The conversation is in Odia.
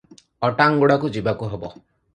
ଅଟାଙ୍ଗଗୁଡାକୁ ଯିବାକୁ ହେବ ।